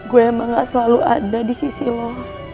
gue emang gak selalu ada di sisi lo